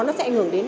nó sẽ ảnh hưởng đến